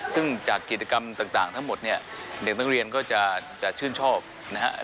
ซึ่งจากกิจกรรมต่างทั้งหมดเนี่ยเด็กนักเรียนก็จะชื่นชอบนะครับ